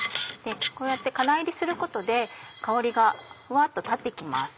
こうやって空炒りすることで香りがフワっと立って来ます。